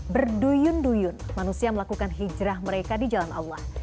berduyun duyun manusia melakukan hijrah mereka di jalan allah